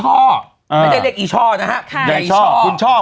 ไม่ได้เรียกอีช่อนะครับ